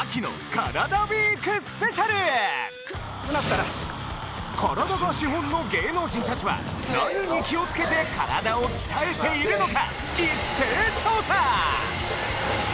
カラダが資本の芸能人たちは何に気を付けてカラダを鍛えているのか？